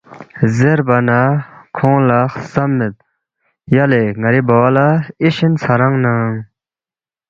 زیربا نہ کھونگ لہ خسمید یلے ن٘ری بوا لہ اِشن ژھرانگ ننگ